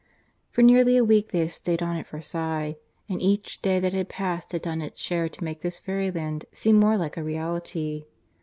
For nearly a week they had stayed on at Versailles; and each day that had passed had done its share in making this fairyland seem more like a reality.